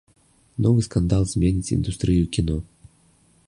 Новы скандал зменіць індустрыю кіно.